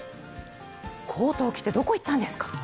コートを着てどこ行ったんですか？